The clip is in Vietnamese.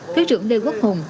thứ trưởng lê quốc hùng